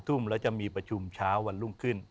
ทุ่มแล้วจะมีประชุมเช้าวันรุ่งขึ้น